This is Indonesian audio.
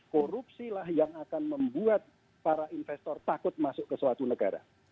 korupsilah yang akan membuat para investor takut masuk ke suatu negara